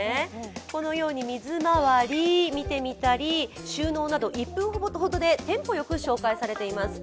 このように水回りを見てみたり、収納など１分ほどでテンポよく紹介されています。